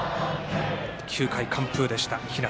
９回完封でした、日當。